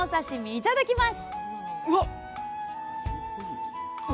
いただきます！